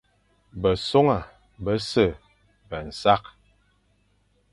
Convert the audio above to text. Besoña bese be nsakh,